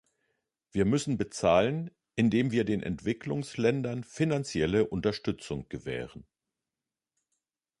Wir müssen bezahlen, indem wir den Entwicklungsländern finanzielle Unterstützung gewähren.